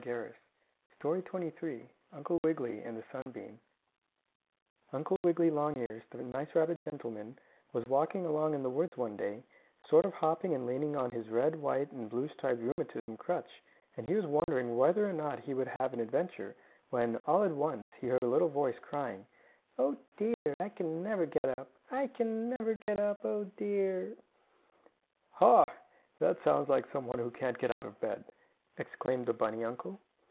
STORY XXIII UNCLE WIGGILY AND THE SUNBEAM Uncle Wiggily Longears, the nice rabbit gentleman, was walking along in the woods one day, sort of hopping and leaning on his red, white and blue striped rheumatism crutch, and he was wondering whether or not he would have an adventure, when, all at once, he heard a little voice crying: "Oh, dear! I never can get up! I never can get up! Oh, dear!" "Ha! that sounds like some one who can't get out of bed," exclaimed the bunny uncle.